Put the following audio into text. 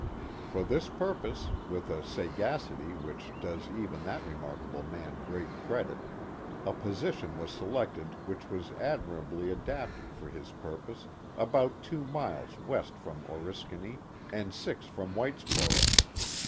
For this purpose, with a sagacity which does even that remarkable man great credit, a position was selected which was admirably adapted for his purpose about two miles west from Oriskany and six from Whitesboro.